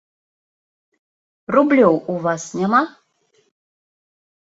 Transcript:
Рублёў у вас няма?